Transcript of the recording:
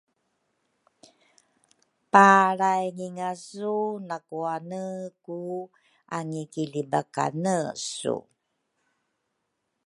palraingingasu nakuane ku angikilibakanesu.